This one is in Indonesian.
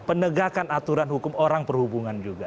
penegakan aturan hukum orang perhubungan juga